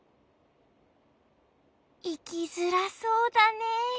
いきづらそうだねえ。